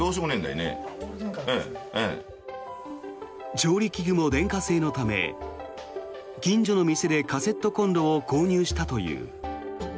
調理器具も電化製のため近所の店でカセットコンロを購入したという。